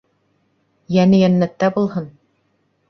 Йәне йәннәттә булһын!